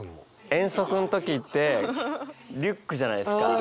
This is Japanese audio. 遠足の時ってリュックじゃないですか。